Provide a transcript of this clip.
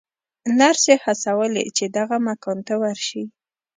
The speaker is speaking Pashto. نرسې هڅولې چې دغه مکان ته ورشي.